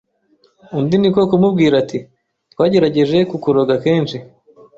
undi niko kumubwira ati:” Twagerageje kukuroga kenshi,